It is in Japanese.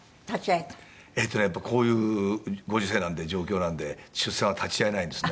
えっとねこういうご時世なんで状況なんで出産は立ち会えないんですね。